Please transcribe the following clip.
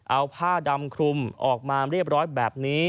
เอาผ้าดำคลุมออกมาเรียบร้อยแบบนี้